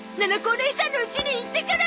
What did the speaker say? おねいさんのうちに行ってくる！